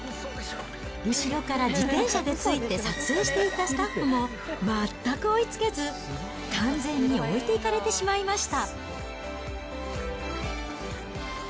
後ろから自転車でついて撮影していたスタッフも全く追いつけず、完全に置いていかれてしまいました。